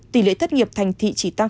tỷ lệ thất nghiệp thành thị chỉ tăng ba